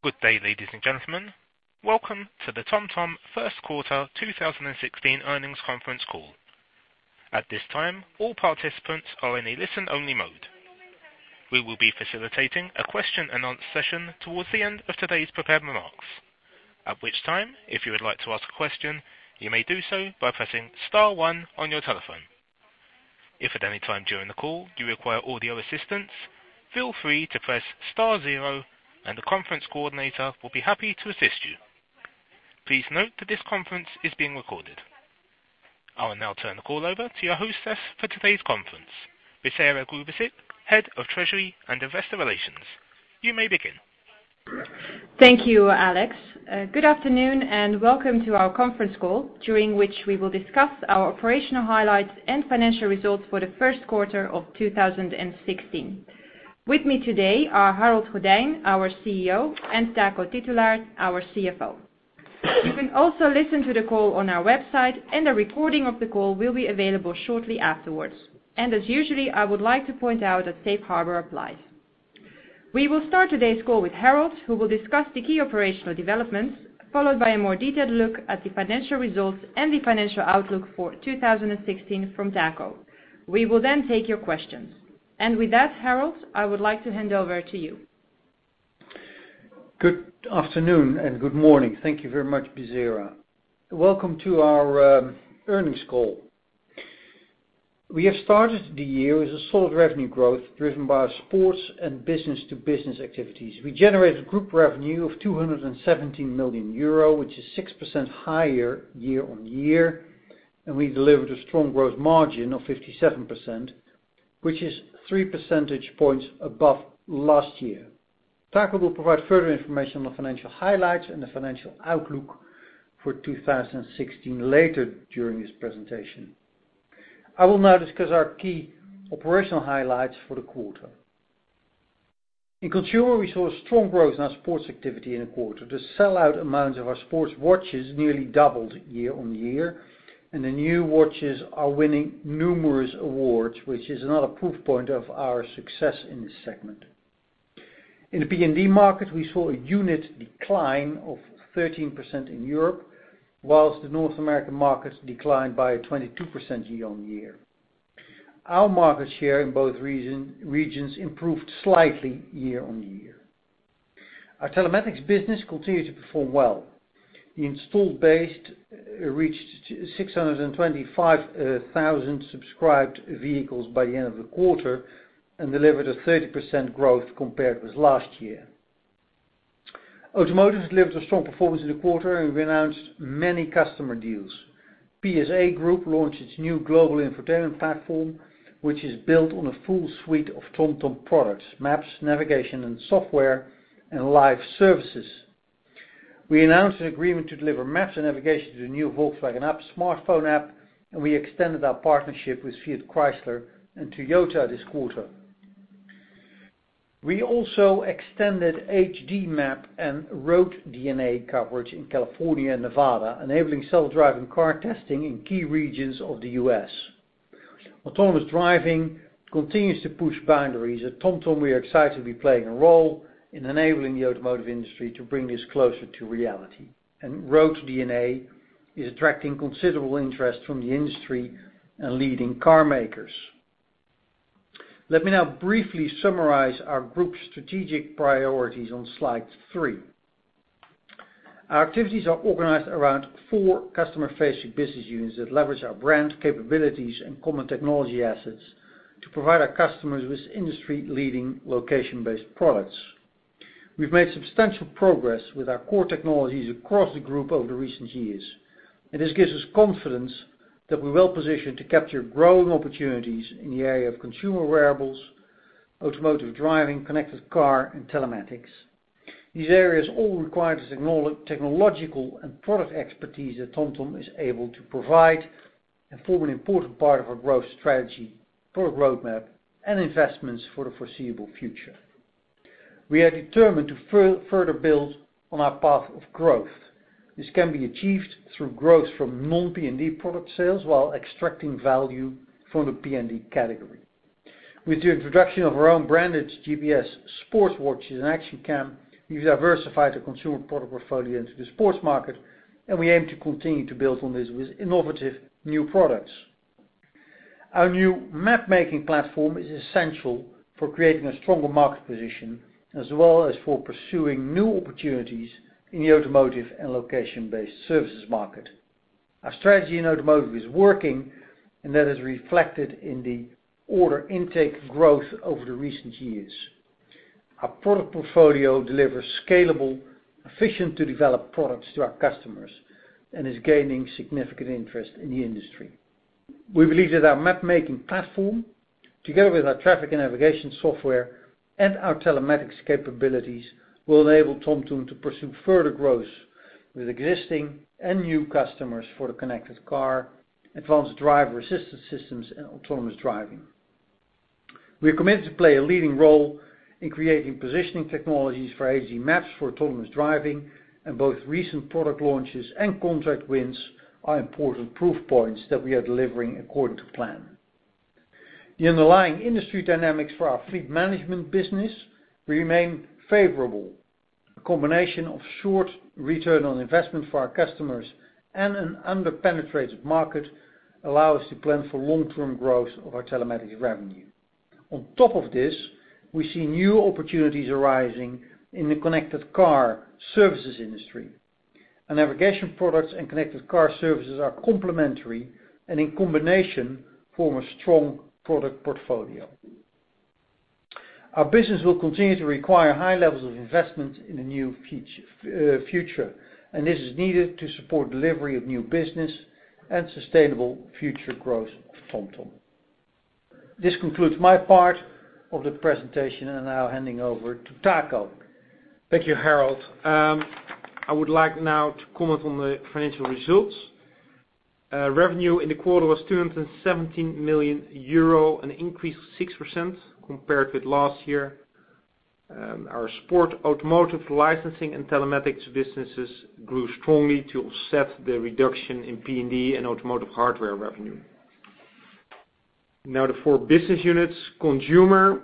Good day, ladies and gentlemen. Welcome to the TomTom first quarter 2016 earnings conference call. At this time, all participants are in a listen-only mode. We will be facilitating a question and answer session towards the end of today's prepared remarks. At which time, if you would like to ask a question, you may do so by pressing star one on your telephone. If at any time during the call you require audio assistance, feel free to press star zero and the conference coordinator will be happy to assist you. Please note that this conference is being recorded. I will now turn the call over to your hostess for today's conference, Bisera Grubesic, Head of Treasury and Investor Relations. You may begin. Thank you, Alex. Good afternoon, welcome to our conference call, during which we will discuss our operational highlights and financial results for the first quarter of 2016. With me today are Harold Goddijn, our CEO, and Taco Titulaer, our CFO. You can also listen to the call on our website, a recording of the call will be available shortly afterwards. As usual, I would like to point out that safe harbor applies. We will start today's call with Harold, who will discuss the key operational developments, followed by a more detailed look at the financial results and the financial outlook for 2016 from Taco. We will then take your questions. With that, Harold, I would like to hand over to you. Good afternoon and good morning. Thank you very much, Bisera. Welcome to our earnings call. We have started the year with a solid revenue growth driven by our sports and business-to-business activities. We generated group revenue of 217 million euro, which is 6% higher year-over-year, We delivered a strong growth margin of 57%, which is three percentage points above last year. Taco will provide further information on the financial highlights and the financial outlook for 2016 later during this presentation. I will now discuss our key operational highlights for the quarter. In consumer, we saw a strong growth in our sports activity in the quarter. The sell-out amounts of our sports watches nearly doubled year-over-year, The new watches are winning numerous awards, which is another proof point of our success in this segment. In the PND market, we saw a unit decline of 13% in Europe, whilst the North American markets declined by 22% year-over-year. Our market share in both regions improved slightly year-over-year. Our telematics business continued to perform well. The installed base reached 625,000 subscribed vehicles by the end of the quarter and delivered a 30% growth compared with last year. Automotive delivered a strong performance in the quarter we announced many customer deals. PSA Group launched its new global infotainment platform, which is built on a full suite of TomTom products, maps, navigation, and software, and live services. We announced an agreement to deliver maps and navigation to the new Volkswagen app, smartphone app, we extended our partnership with Fiat Chrysler and Toyota this quarter. We also extended HD map and RoadDNA coverage in California and Nevada, enabling self-driving car testing in key regions of the U.S. Autonomous driving continues to push boundaries. At TomTom, we are excited to be playing a role in enabling the automotive industry to bring this closer to reality, and RoadDNA is attracting considerable interest from the industry and leading car makers. Let me now briefly summarize our group's strategic priorities on slide three. Our activities are organized around four customer-facing business units that leverage our brand capabilities and common technology assets to provide our customers with industry-leading location-based products. We've made substantial progress with our core technologies across the group over the recent years, and this gives us confidence that we're well positioned to capture growing opportunities in the area of consumer wearables, autonomous driving, connected car and telematics. These areas all require technological and product expertise that TomTom is able to provide and form an important part of our growth strategy, product roadmap, and investments for the foreseeable future. We are determined to further build on our path of growth. This can be achieved through growth from non-PND product sales while extracting value from the PND category. With the introduction of our own branded GPS sports watches and action cam, we've diversified the consumer product portfolio into the sports market. We aim to continue to build on this with innovative new products. Our new map-making platform is essential for creating a stronger market position as well as for pursuing new opportunities in the automotive and location-based services market. Our strategy in automotive is working, and that is reflected in the order intake growth over the recent years. Our product portfolio delivers scalable, efficient-to-develop products to our customers and is gaining significant interest in the industry. We believe that our map-making platform, together with our traffic and navigation software and our telematics capabilities, will enable TomTom to pursue further growth with existing and new customers for the connected car, advanced driver assistance systems and autonomous driving. We are committed to play a leading role in creating positioning technologies for HD maps for autonomous driving. Both recent product launches and contract wins are important proof points that we are delivering according to plan. The underlying industry dynamics for our fleet management business remain favorable. A combination of short return on investment for our customers and an under-penetrated market allow us to plan for long-term growth of our telematics revenue. On top of this, we see new opportunities arising in the connected car services industry. Our navigation products and connected car services are complementary and in combination, form a strong product portfolio. Our business will continue to require high levels of investment in the near future. This is needed to support delivery of new business and sustainable future growth of TomTom. This concludes my part of the presentation. I'm now handing over to Taco. Thank you, Harold. I would like now to comment on the financial results. Revenue in the quarter was 217 million euro, an increase of 6% compared with last year. Our sport, automotive licensing, and telematics businesses grew strongly to offset the reduction in PND and automotive hardware revenue. Now the four business units. Consumer,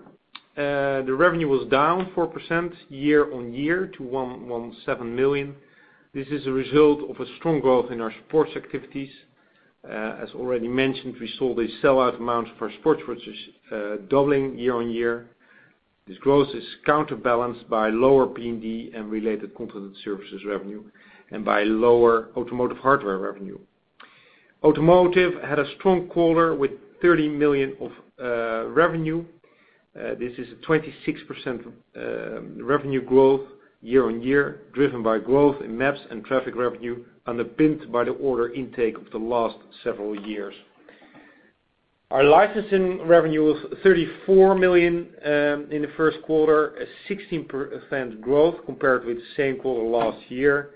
the revenue was down 4% year-on-year to 117 million. This is a result of a strong growth in our sports activities. As already mentioned, we saw the sell-out amount for our sports watches doubling year-on-year. This growth is counterbalanced by lower PND and related content services revenue and by lower automotive hardware revenue. Automotive had a strong quarter with 30 million of revenue. This is a 26% revenue growth year-on-year, driven by growth in maps and traffic revenue, underpinned by the order intake of the last several years. Our licensing revenue was 34 million in the first quarter, a 16% growth compared with the same quarter last year.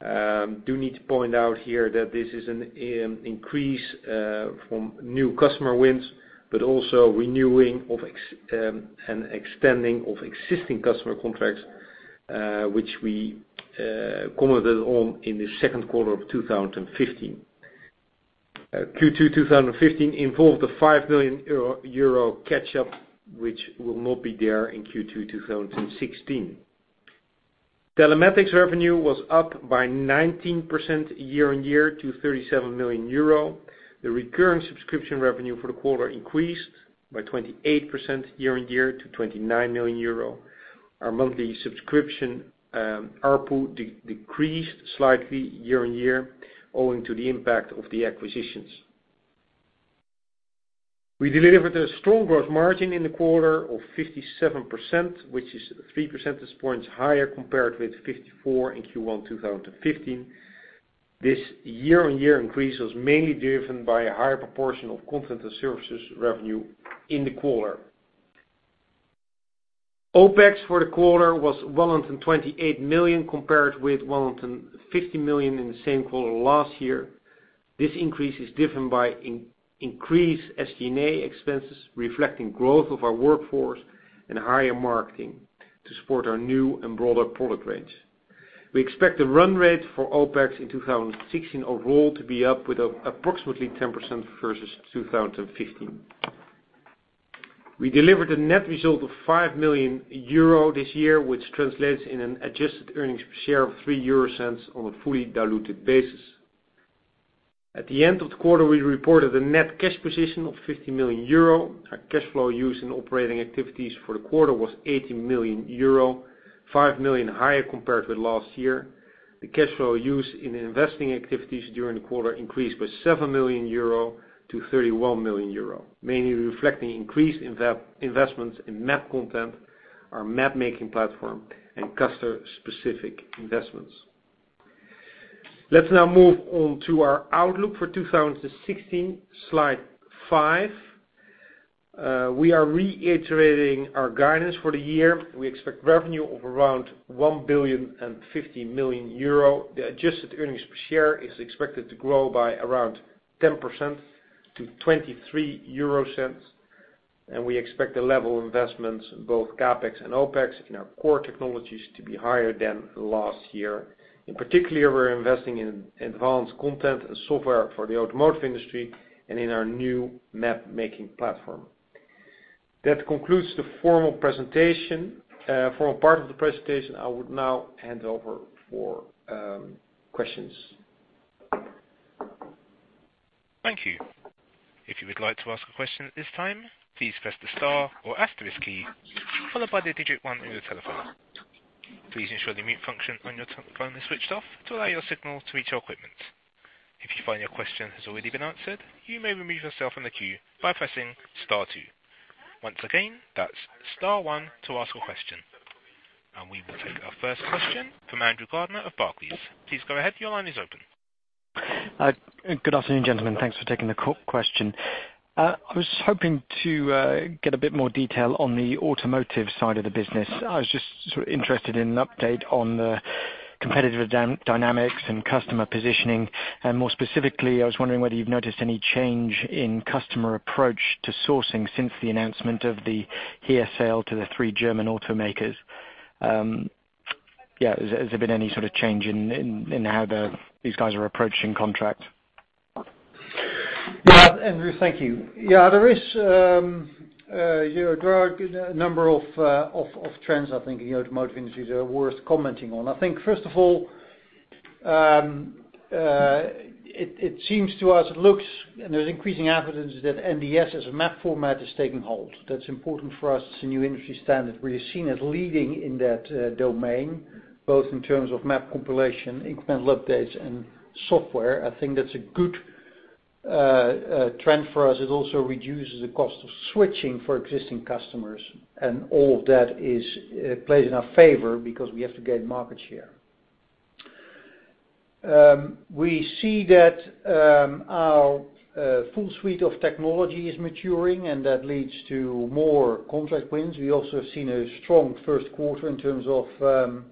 Do need to point out here that this is an increase from new customer wins, but also renewing and extending of existing customer contracts, which we commented on in the second quarter of 2015. Q2 2015 involved a 5 million euro catch-up, which will not be there in Q2 2016. Telematics revenue was up by 19% year-on-year to EUR 37 million. The recurring subscription revenue for the quarter increased by 28% year-on-year to 29 million euro. Our monthly subscription ARPU decreased slightly year-on-year, owing to the impact of the acquisitions. We delivered a strong growth margin in the quarter of 57%, which is 3 percentage points higher compared with 54% in Q1 2015. This year-on-year increase was mainly driven by a higher proportion of content and services revenue in the quarter. OPEX for the quarter was 128 million compared with 150 million in the same quarter last year. This increase is driven by increased SG&A expenses reflecting growth of our workforce and higher marketing to support our new and broader product range. We expect the run rate for OPEX in 2016 overall to be up with approximately 10% versus 2015. We delivered a net result of 5 million euro this year, which translates in an adjusted earnings per share of 0.03 on a fully diluted basis. At the end of the quarter, we reported a net cash position of 50 million euro. Our cash flow use in operating activities for the quarter was 80 million euro, 5 million higher compared with last year. The cash flow use in investing activities during the quarter increased by 7 million euro to 31 million euro, mainly reflecting increased investments in map content, our map-making platform, and customer-specific investments. Let's now move on to our outlook for 2016, slide five. We are reiterating our guidance for the year. We expect revenue of around 1,050 million euro. The adjusted earnings per share is expected to grow by around 10% to 0.23, and we expect the level of investments in both CapEx and OPEX in our core technologies to be higher than last year. In particular, we're investing in advanced content and software for the automotive industry and in our new map-making platform. That concludes the formal part of the presentation. I would now hand over for questions. Thank you. If you would like to ask a question at this time, please press the star or asterisk key followed by 1 on your telephone. Please ensure the mute function on your telephone is switched off to allow your signal to reach our equipment. If you find your question has already been answered, you may remove yourself from the queue by pressing star 2. Once again, that's star 1 to ask a question. We will take our first question from Andrew Gardiner of Barclays. Please go ahead. Your line is open. Good afternoon, gentlemen. Thanks for taking the question. I was hoping to get a bit more detail on the automotive side of the business. I was just sort of interested in an update on the competitive dynamics and customer positioning. More specifically, I was wondering whether you've noticed any change in customer approach to sourcing since the announcement of the HERE sale to the 3 German automakers. Yeah. Has there been any sort of change in how these guys are approaching contracts? Yeah, Andrew, thank you. There are a number of trends, I think, in the automotive industry that are worth commenting on. I think, first of all, it seems to us, it looks, and there's increasing evidence that NDS as a map format is taking hold. That's important for us. It's a new industry standard. We're seen as leading in that domain, both in terms of map compilation, incremental updates, and software. I think that's a good trend for us. It also reduces the cost of switching for existing customers, and all of that plays in our favor because we have to gain market share. We see that our full suite of technology is maturing, and that leads to more contract wins. We also have seen a strong Q1 in terms of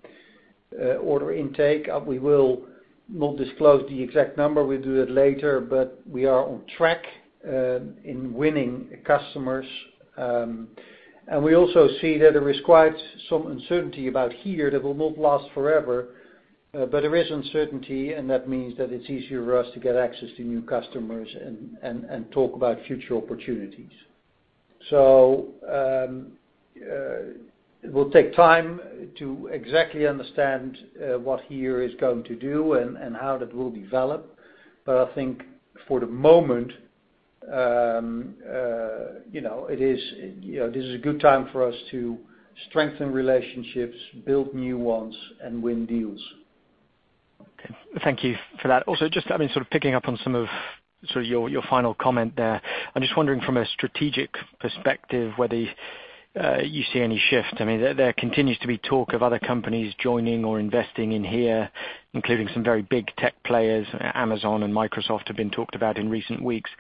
order intake. We will not disclose the exact number. We'll do that later, we are on track in winning customers. We also see that there is quite some uncertainty about HERE that will not last forever. There is uncertainty, and that means that it's easier for us to get access to new customers and talk about future opportunities. It will take time to exactly understand what HERE is going to do and how that will develop. I think for the moment, this is a good time for us to strengthen relationships, build new ones, and win deals. Thank you for that. Just sort of picking up on some of your final comment there. I'm just wondering from a strategic perspective, whether you see any shift. There continues to be talk of other companies joining or investing in HERE, including some very big tech players. Amazon and Microsoft have been talked about in recent weeks.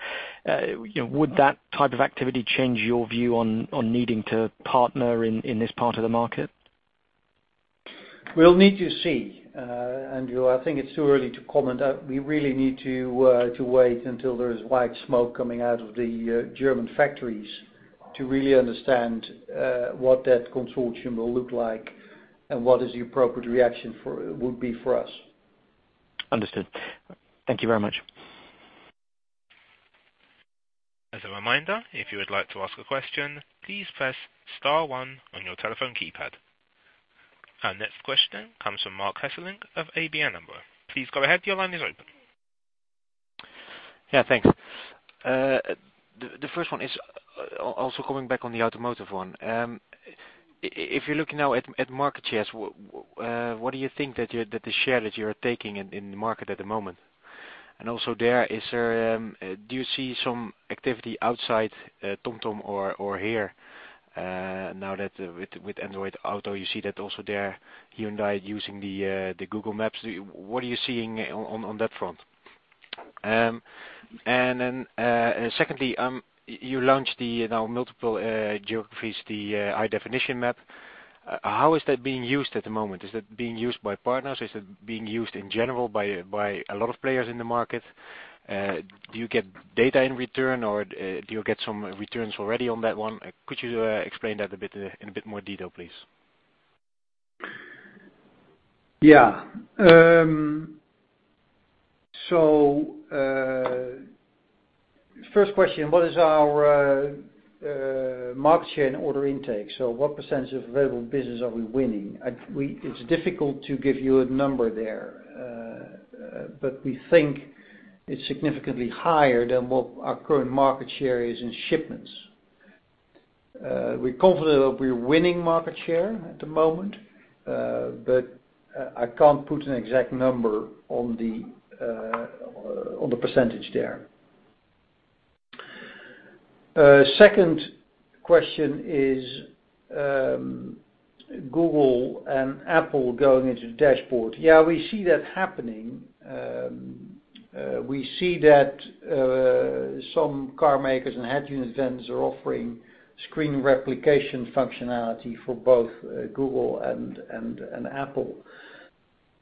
Would that type of activity change your view on needing to partner in this part of the market? We'll need to see, Andrew. I think it's too early to comment. We really need to wait until there is white smoke coming out of the German factories to really understand what that consortium will look like and what is the appropriate reaction would be for us. Understood. Thank you very much. As a reminder, if you would like to ask a question, please press *1 on your telephone keypad. Our next question comes from Marc Hesselink of ABN AMRO. Please go ahead. Your line is open. Yeah, thanks. The first one is also coming back on the automotive one. If you're looking now at market shares, what do you think that the share that you're taking in the market at the moment? Also there, do you see some activity outside TomTom or HERE, now that with Android Auto, you see that also there, you and I using the Google Maps. What are you seeing on that front? Secondly, you launched now multiple geographies, the High Definition Map. How is that being used at the moment? Is it being used by partners? Is it being used in general by a lot of players in the market? Do you get data in return, or do you get some returns already on that one? Could you explain that in a bit more detail, please? First question, what is our market share and order intake? What percentage of available business are we winning? It's difficult to give you a number there, but we think it's significantly higher than what our current market share is in shipments. We're confident that we're winning market share at the moment, but I can't put an exact number on the percentage there. Second question is, Google and Apple going into the dashboard. Yeah, we see that happening. We see that some car makers and head unit vendors are offering screen replication functionality for both Google and Apple.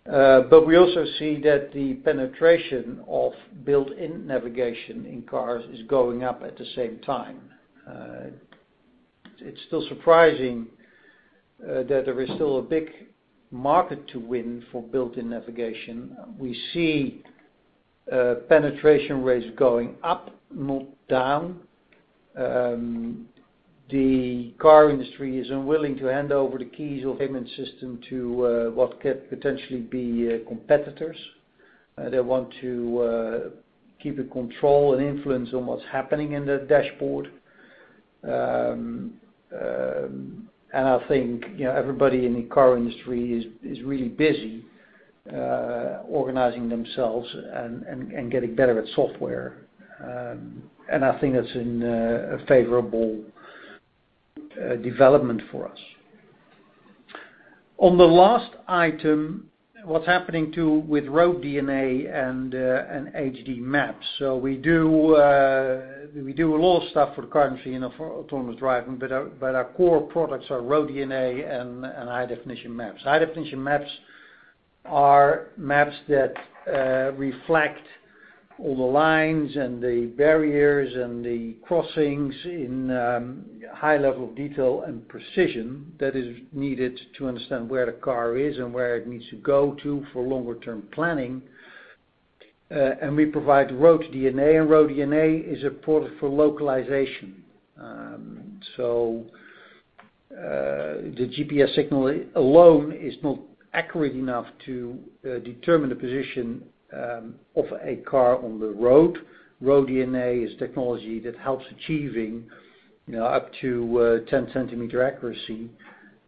We also see that the penetration of built-in navigation in cars is going up at the same time. It's still surprising that there is still a big market to win for built-in navigation. We see penetration rates going up, not down. The car industry is unwilling to hand over the keys of payment system to what could potentially be competitors. They want to keep the control and influence on what's happening in the dashboard. I think everybody in the car industry is really busy organizing themselves and getting better at software. I think that's a favorable development for us. On the last item, what's happening, too, with RoadDNA and HD Maps. We do a lot of stuff for the car industry and for autonomous driving, but our core products are RoadDNA and High Definition Maps. High Definition Maps are maps that reflect all the lines and the barriers and the crossings in a high level of detail and precision that is needed to understand where the car is and where it needs to go to for longer term planning. We provide RoadDNA. RoadDNA is a product for localization. The GPS signal alone is not accurate enough to determine the position of a car on the road. RoadDNA is technology that helps achieving up to 10 centimeter accuracy,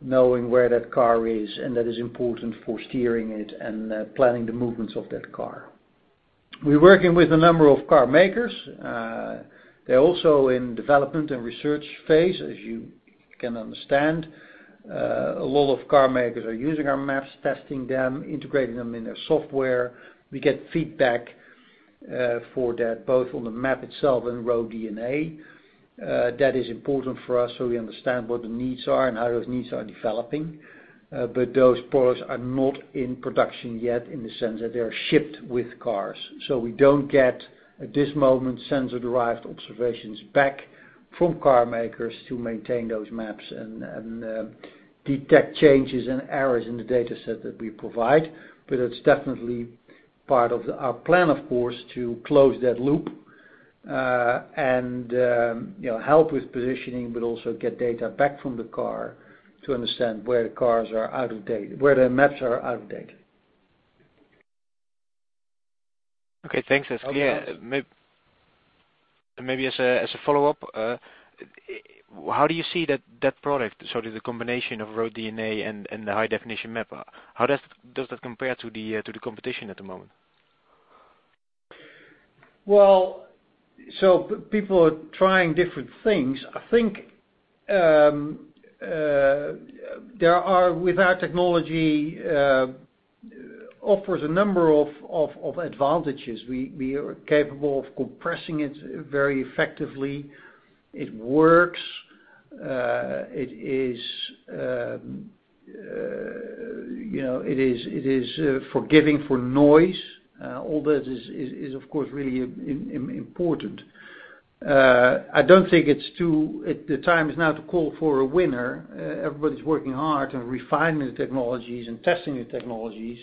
knowing where that car is, and that is important for steering it and planning the movements of that car. We're working with a number of car makers. They're also in development and research phase, as you can understand. A lot of car makers are using our maps, testing them, integrating them in their software. We get feedback for that, both on the map itself and RoadDNA. That is important for us so we understand what the needs are and how those needs are developing. Those products are not in production yet in the sense that they are shipped with cars. We don't get, at this moment, sensor-derived observations back from car makers to maintain those maps and detect changes and errors in the dataset that we provide. It's definitely part of our plan, of course, to close that loop, and help with positioning, but also get data back from the car to understand where the maps are out of date. Okay. Thanks. Welcome. Maybe as a follow-up, how do you see that product? The combination of RoadDNA and the high-definition map. How does that compare to the competition at the moment? Well, people are trying different things. I think with our technology, offers a number of advantages. We are capable of compressing it very effectively. It works. It is forgiving for noise. All that is of course really important. I don't think the time is now to call for a winner. Everybody's working hard and refining the technologies and testing the technologies.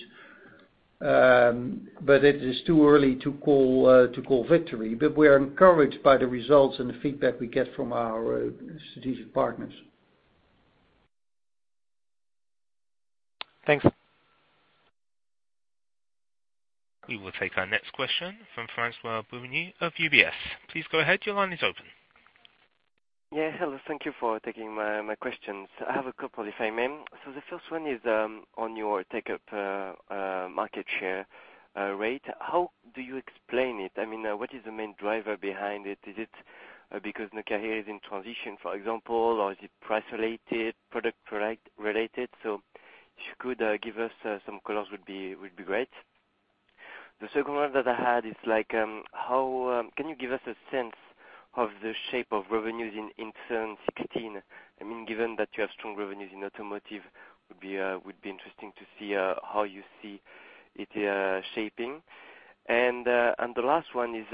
It is too early to call victory. We are encouraged by the results and the feedback we get from our strategic partners. Thanks. We will take our next question from François Boulognié of UBS. Please go ahead. Your line is open. Yeah. Hello. Thank you for taking my questions. I have a couple, if I may. The first one is, on your takeup market share rate, how do you explain it? I mean, what is the main driver behind it? Is it because Nokia HERE is in transition, for example, or is it price related, product related? If you could give us some colors would be great. The second one that I had is, can you give us a sense of the shape of revenues in 2016? Given that you have strong revenues in automotive, would be interesting to see how you see it shaping. The last one is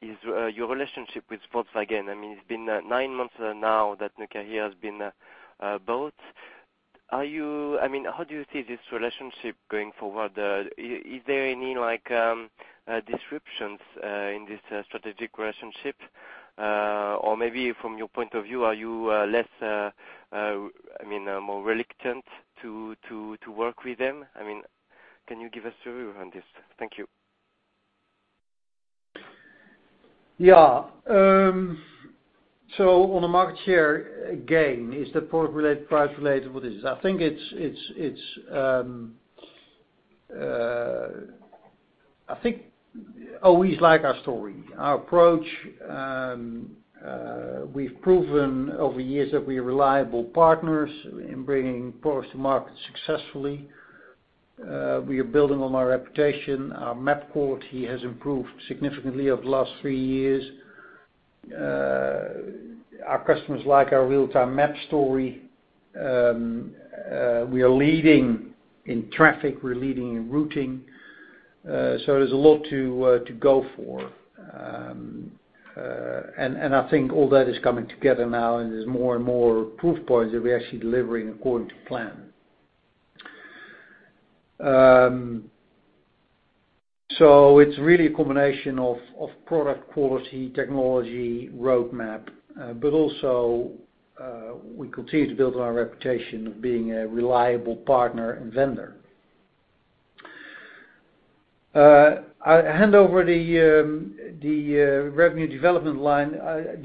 your relationship with Volkswagen. It's been nine months now that Nokia HERE has been bought. How do you see this relationship going forward? Is there any disruptions in this strategic relationship? Maybe from your point of view, are you more reluctant to work with them? Can you give us a view on this? Thank you. Yeah. On the market share gain, is that product related, price related? What is it? I think always like our story. Our approach, we've proven over years that we are reliable partners in bringing products to market successfully. We are building on our reputation. Our map quality has improved significantly over the last three years. Our customers like our real-time map story. We are leading in traffic, we're leading in routing. There's a lot to go for. I think all that is coming together now, and there's more and more proof points that we are actually delivering according to plan. It's really a combination of product quality, technology, roadmap, but also, we continue to build on our reputation of being a reliable partner and vendor. I hand over the revenue development line, I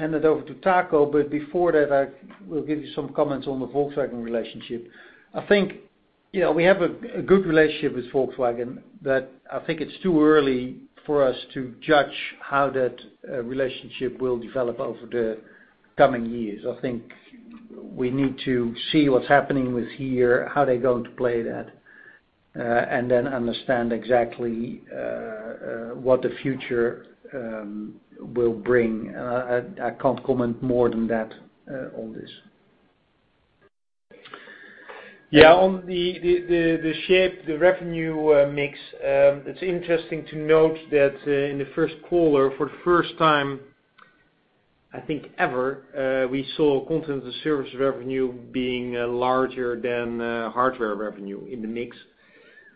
hand it over to Taco. Before that, I will give you some comments on the Volkswagen relationship. I think we have a good relationship with Volkswagen. I think it's too early for us to judge how that relationship will develop over the coming years. I think we need to see what's happening with HERE, how they're going to play that Understand exactly what the future will bring. I can't comment more than that on this. On the shape, the revenue mix, it's interesting to note that in the first quarter, for the first time, I think ever, we saw content service revenue being larger than hardware revenue in the mix.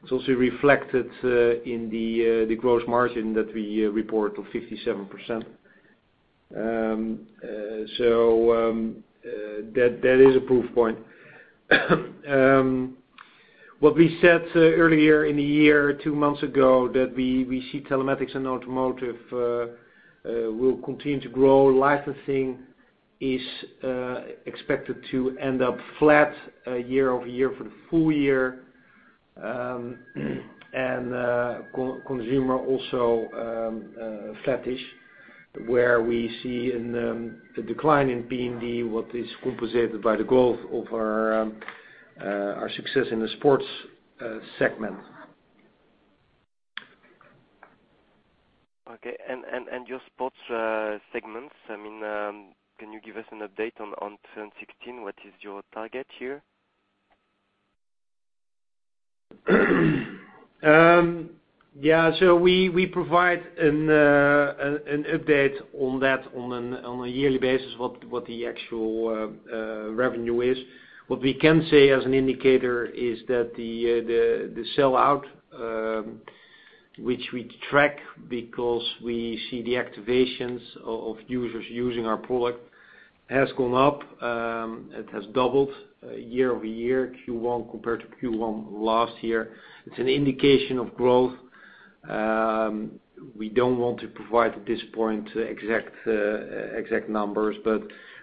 It's also reflected in the gross margin that we report of 57%. That is a proof point. What we said earlier in the year, two months ago, that we see telematics and automotive will continue to grow. Licensing is expected to end up flat year-over-year for the full year. Consumer also flattish, where we see a decline in PND, what is composited by the growth of our success in the sports segment. Okay. Your sports segments, can you give us an update on 2016? What is your target here? We provide an update on that on a yearly basis, what the actual revenue is. What we can say as an indicator is that the sell-out, which we track because we see the activations of users using our product, has gone up. It has doubled year-over-year, Q1 compared to Q1 last year. It's an indication of growth. We don't want to provide at this point exact numbers,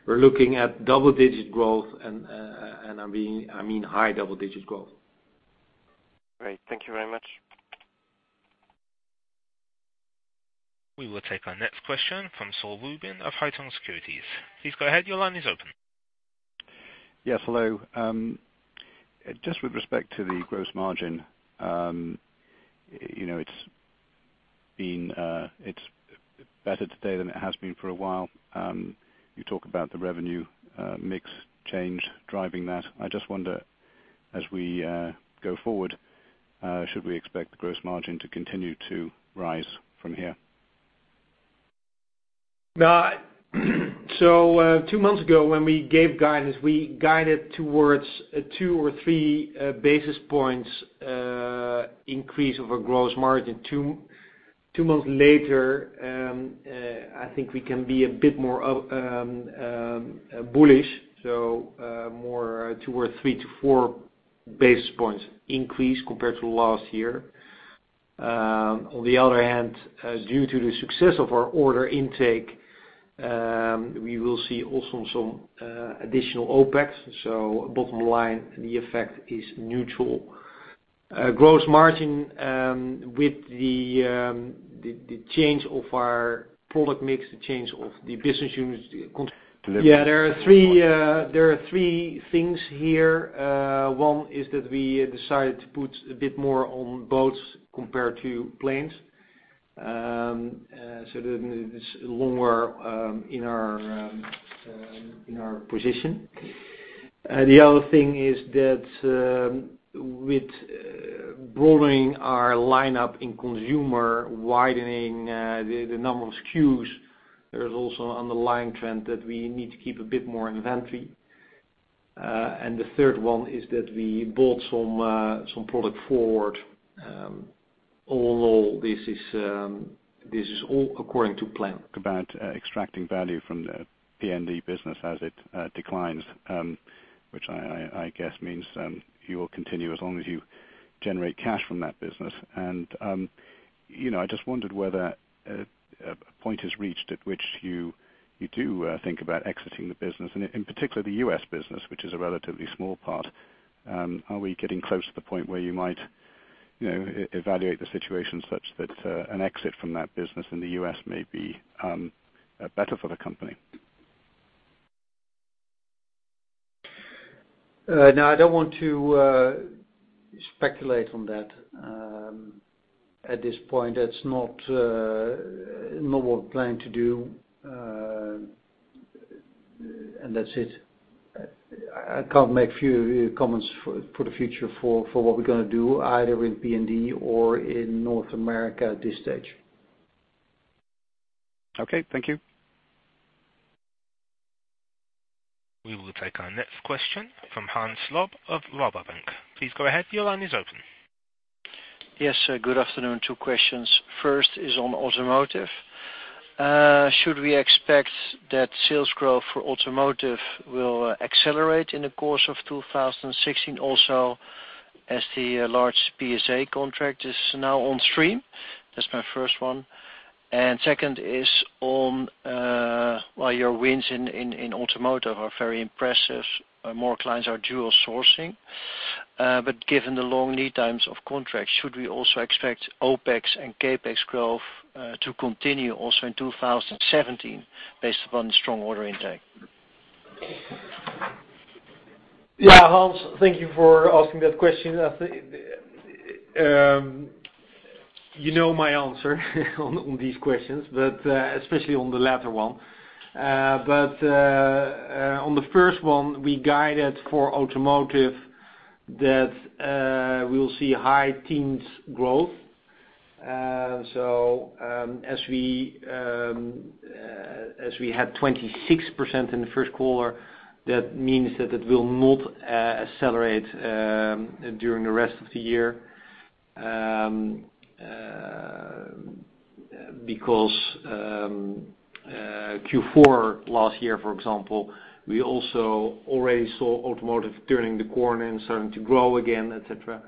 we're looking at double-digit growth, and I mean high double-digit growth. Great. Thank you very much. We will take our next question from Saul Rubin of Haitong Securities. Please go ahead. Your line is open. Yes, hello. Just with respect to the gross margin. It's better today than it has been for a while. You talk about the revenue mix change driving that. I just wonder, as we go forward, should we expect the gross margin to continue to rise from here? Two months ago, when we gave guidance, we guided towards a two or three basis points increase of a gross margin. Two months later, I think we can be a bit more bullish, more two or three to four basis points increase compared to last year. On the other hand, due to the success of our order intake, we will see also some additional OPEX. Bottom line, the effect is neutral. Gross margin with the change of our product mix, the change of the business units. There are three things here. One is that we decided to put a bit more on boats compared to planes. It's longer in our position. The other thing is that with broadening our lineup in consumer, widening the number of SKUs, there is also underlying trend that we need to keep a bit more inventory. The third one is that we bought some product forward. Although this is all according to plan. About extracting value from the PND business as it declines, which I guess means you will continue as long as you generate cash from that business. I just wondered whether a point is reached at which you do think about exiting the business and in particular the U.S. business, which is a relatively small part. Are we getting close to the point where you might evaluate the situation such that an exit from that business in the U.S. may be better for the company? No, I don't want to speculate on that. At this point, that's not what we're planning to do. That's it. I can't make comments for the future for what we're going to do either in PND or in North America at this stage. Okay, thank you. We will take our next question from Hans Slob of Rabobank. Please go ahead. Your line is open. Yes. Good afternoon. Two questions. First is on automotive. Should we expect that sales growth for automotive will accelerate in the course of 2016, also as the large PSA contract is now on stream? That's my first one. Second is on your wins in automotive are very impressive. More clients are dual sourcing. Given the long lead times of contracts, should we also expect OPEX and CapEx growth to continue also in 2017 based upon the strong order intake? Yeah, Hans, thank you for asking that question. You know my answer on these questions, especially on the latter one. On the first one, we guided for automotive that we'll see high teens growth. As we had 26% in the first quarter, that means that it will not accelerate during the rest of the year. Q4 last year, for example, we also already saw automotive turning the corner and starting to grow again, et cetera.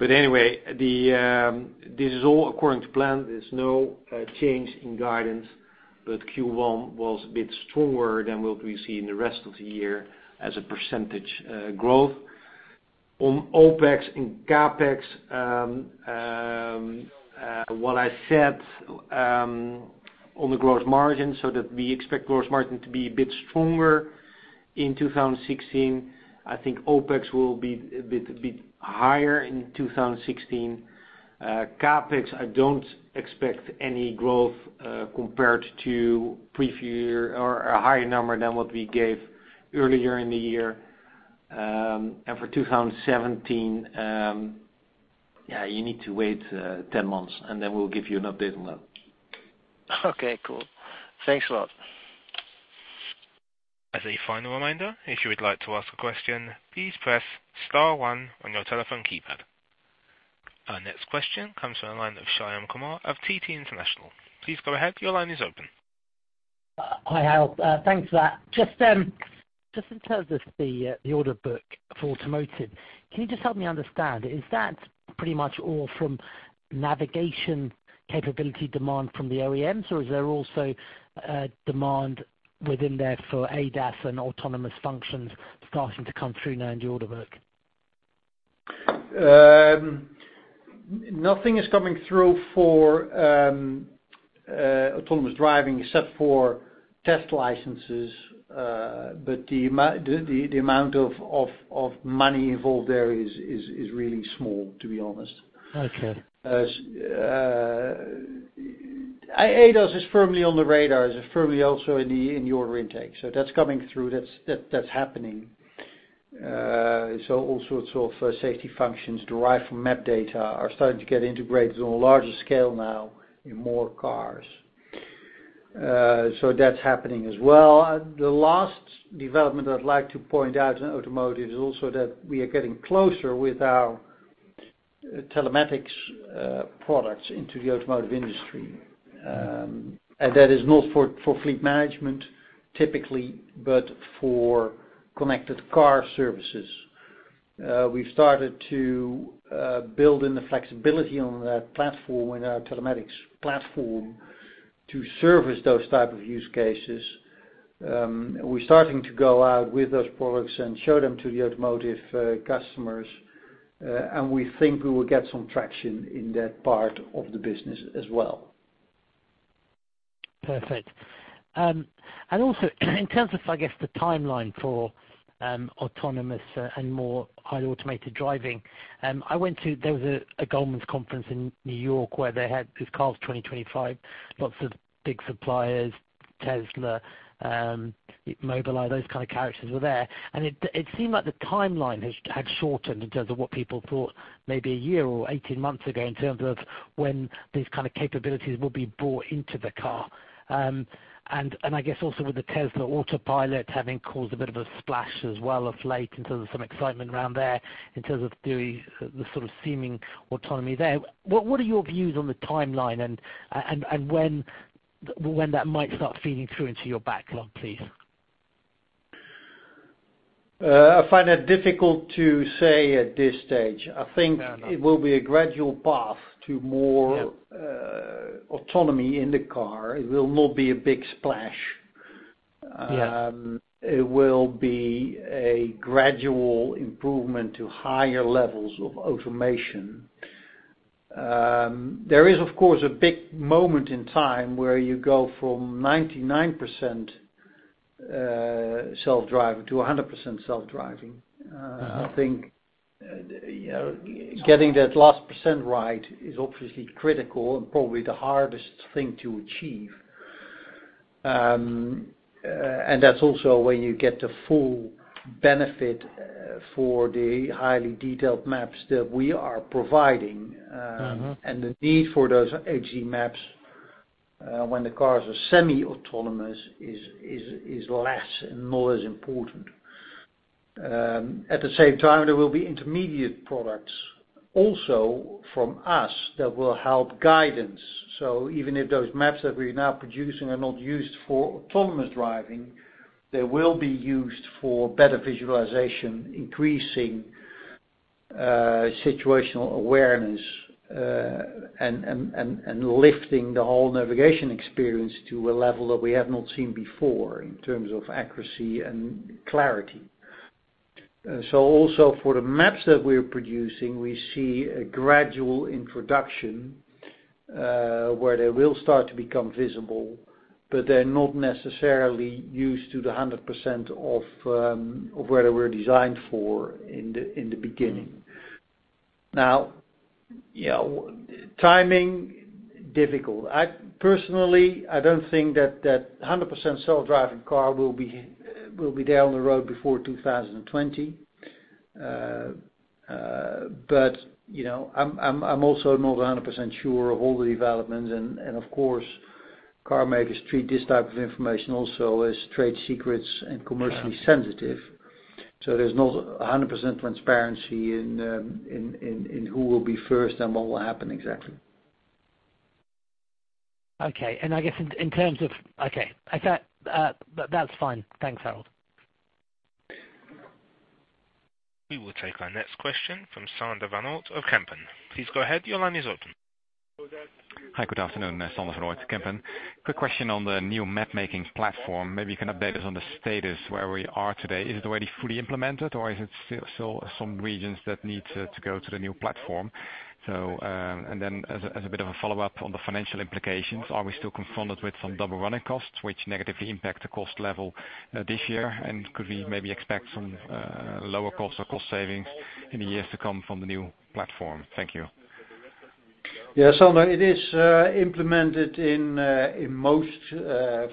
Anyway, this is all according to plan. There's no change in guidance. Q1 was a bit stronger than what we see in the rest of the year as a percentage growth. On OpEx and CapEx, what I said on the growth margin, that we expect growth margin to be a bit stronger in 2016. I think OpEx will be a bit higher in 2016. CapEx, I don't expect any growth, compared to preview or a higher number than what we gave earlier in the year. For 2017, you need to wait 10 months, then we'll give you an update on that. Okay, cool. Thanks a lot. As a final reminder, if you would like to ask a question, please press *1 on your telephone keypad. Our next question comes from the line of Shyam Kumar of TT International. Please go ahead. Your line is open. Hi, Harold. Thanks for that. Just in terms of the order book for automotive, can you just help me understand, is that pretty much all from navigation capability demand from the OEMs, or is there also demand within there for ADAS and autonomous functions starting to come through now in the order book? Nothing is coming through for autonomous driving except for test licenses. The amount of money involved there is really small, to be honest. Okay. ADAS is firmly on the radar, is firmly also in the order intake. That's coming through. That's happening. All sorts of safety functions derived from map data are starting to get integrated on a larger scale now in more cars. That's happening as well. The last development I'd like to point out in automotive is also that we are getting closer with our telematics products into the automotive industry. That is not for fleet management typically, but for connected car services. We've started to build in the flexibility on that platform, in our telematics platform, to service those type of use cases. We're starting to go out with those products and show them to the automotive customers, we think we will get some traction in that part of the business as well. Perfect. Also, in terms of, I guess, the timeline for autonomous and more highly automated driving, there was a Goldman's conference in New York where they had these cars 2025, lots of big suppliers, Tesla, Mobileye, those kind of characters were there. It seemed like the timeline had shortened in terms of what people thought maybe a year or 18 months ago, in terms of when these kind of capabilities will be brought into the car. I guess also with the Tesla autopilot having caused a bit of a splash as well of late in terms of some excitement around there, in terms of the sort of seeming autonomy there. What are your views on the timeline and when that might start feeding through into your backlog, please? I find that difficult to say at this stage. I think it will be a gradual path to more autonomy in the car. It will not be a big splash. Yeah. It will be a gradual improvement to higher levels of automation. There is, of course, a big moment in time where you go from 99% self-driving to 100% self-driving. I think getting that last % right is obviously critical and probably the hardest thing to achieve. That's also when you get the full benefit for the highly detailed maps that we are providing. The need for those HD maps, when the cars are semi-autonomous, is less and not as important. At the same time, there will be intermediate products also from us that will help guidance. Even if those maps that we're now producing are not used for autonomous driving, they will be used for better visualization, increasing situational awareness, and lifting the whole navigation experience to a level that we have not seen before in terms of accuracy and clarity. Also for the maps that we're producing, we see a gradual introduction, where they will start to become visible, but they're not necessarily used to the 100% of where they were designed for in the beginning. Now, timing, difficult. Personally, I don't think that 100% self-driving car will be down the road before 2020. I'm also not 100% sure of all the developments and, of course, car makers treat this type of information also as trade secrets and commercially sensitive. There's not 100% transparency in who will be first and what will happen exactly. Okay. That's fine. Thanks, Eskil. We will take our next question from Sander van Oort of Kempen. Please go ahead. Your line is open. Hi, good afternoon. Sander van Oort, Kempen. Quick question on the new map making platform. Maybe you can update us on the status where we are today. Is it already fully implemented or is it still some regions that need to go to the new platform? Then as a bit of a follow-up on the financial implications, are we still confronted with some double running costs, which negatively impact the cost level this year? Could we maybe expect some lower cost or cost savings in the years to come from the new platform? Thank you. Sander, it is implemented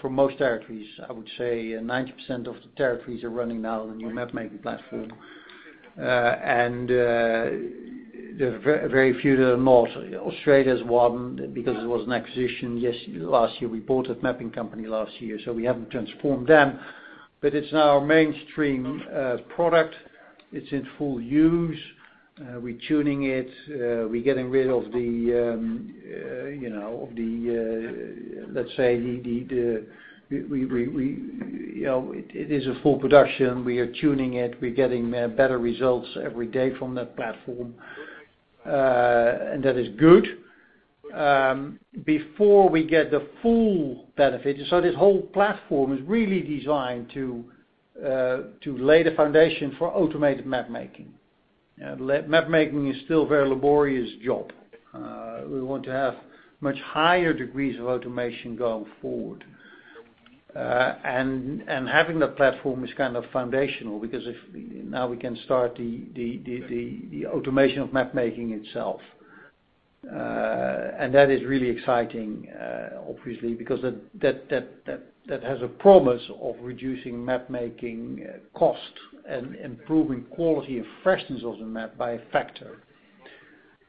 for most territories. I would say 90% of the territories are running now on the new map making platform. There are very few that are not. Australia's one, because it was an acquisition last year. We bought a mapping company last year, so we haven't transformed them. It's now our mainstream product. It's in full use. We're tuning it. It is a full production. We are tuning it. We're getting better results every day from that platform. That is good. Before we get the full benefit. This whole platform is really designed to lay the foundation for automated map making. Map making is still a very laborious job. We want to have much higher degrees of automation going forward. Having that platform is kind of foundational, because if now we can start the automation of map making itself. That is really exciting, obviously, because that has a promise of reducing map making cost and improving quality and freshness of the map by a factor.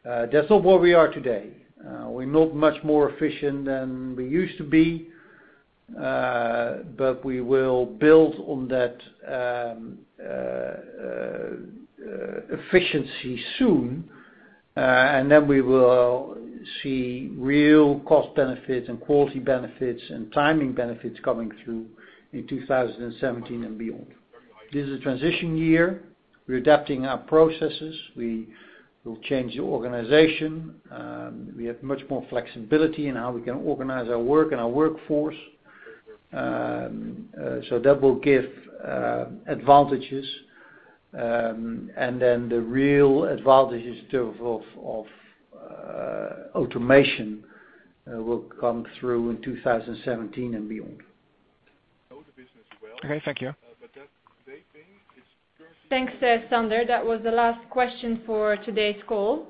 That's not where we are today. We're not much more efficient than we used to be. We will build on that efficiency soon, then we will see real cost benefits and quality benefits and timing benefits coming through in 2017 and beyond. This is a transition year. We're adapting our processes. We will change the organization. We have much more flexibility in how we can organize our work and our workforce. That will give advantages. Then the real advantages in terms of automation will come through in 2017 and beyond. Okay, thank you. Thanks, Sander. That was the last question for today's call.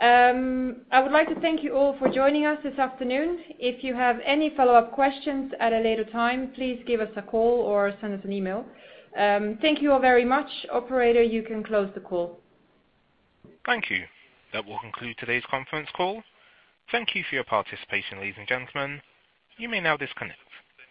I would like to thank you all for joining us this afternoon. If you have any follow-up questions at a later time, please give us a call or send us an email. Thank you all very much. Operator, you can close the call. Thank you. That will conclude today's conference call. Thank you for your participation, ladies and gentlemen. You may now disconnect.